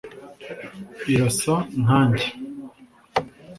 irasa nkanjye)